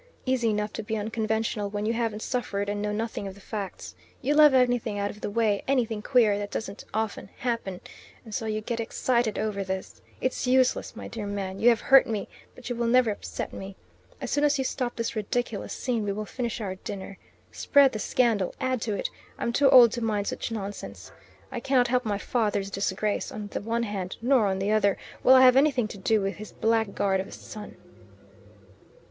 Easy enough to be unconventional when you haven't suffered and know nothing of the facts. You love anything out of the way, anything queer, that doesn't often happen, and so you get excited over this. It's useless, my dear man; you have hurt me, but you will never upset me. As soon as you stop this ridiculous scene we will finish our dinner. Spread this scandal; add to it. I'm too old to mind such nonsense. I cannot help my father's disgrace, on the one hand; nor, on the other, will I have anything to do with his blackguard of a son."